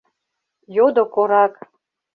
— йодо корак.